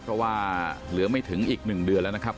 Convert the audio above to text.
เพราะว่าเหลือไม่ถึงอีก๑เดือนแล้วนะครับ